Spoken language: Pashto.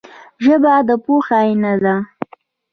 ژبه د پوهې آینه ده